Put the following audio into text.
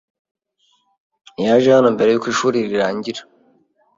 Yaje hano mbere yuko ishuri rirangira.